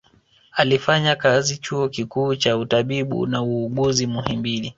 Alifanya kazi chuo kikuu cha utabibu na uuguzi muhimbili